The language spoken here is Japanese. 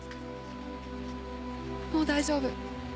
もう大丈夫。